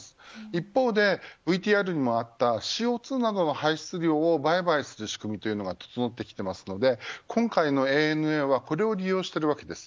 一方で、ＶＴＲにもあったＣＯ２などの排出量を売買する仕組みというのが整ってきているので今回のＡＮＡはこれを利用しています。